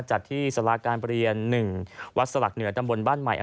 จัดที่สาราการประเรียน๑วัดสลักเหนือตำบลบ้านใหม่